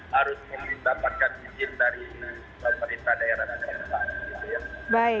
harus mendapatkan izin dari pemerintah daerah